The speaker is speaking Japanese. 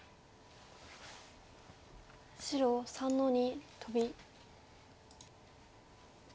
白３の二トビ。